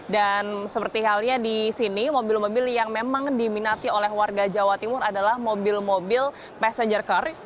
dan seperti halnya di sini mobil mobil yang memang diminati oleh warga jawa timur adalah mobil mobil passenger car